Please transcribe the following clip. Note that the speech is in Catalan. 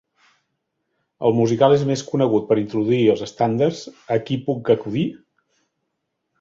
El musical és més conegut per introduir els estàndards "A qui puc acudir?"